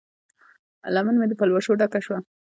لمن مې د پلوشو ډکه شوه